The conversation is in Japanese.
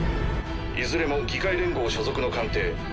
いずれも議会連合所属の艦艇。